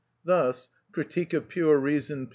Thus (Critique of Pure Reason, p.